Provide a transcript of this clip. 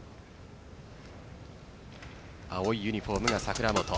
青いユニホームが櫻本。